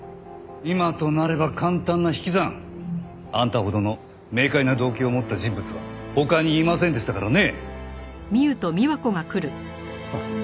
今となれば簡単な引き算。あんたほどの明快な動機を持った人物は他にいませんでしたからね。